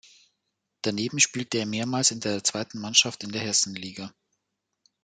Daneben spielte er mehrmals in der zweiten Mannschaft in der Hessenliga.